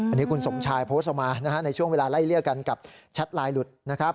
อันนี้คุณสมชายโพสต์ออกมานะฮะในช่วงเวลาไล่เลี่ยกันกับแชทไลน์หลุดนะครับ